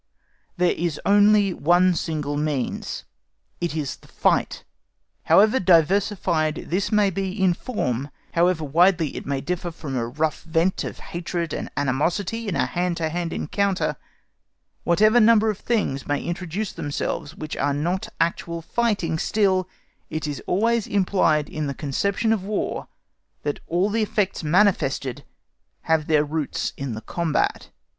There is only one single means, it is the Fight. However diversified this may be in form, however widely it may differ from a rough vent of hatred and animosity in a hand to hand encounter, whatever number of things may introduce themselves which are not actual fighting, still it is always implied in the conception of War that all the effects manifested have their roots in the combat.